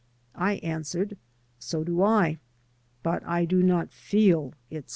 I answered, "So do I, but I do not feel it so."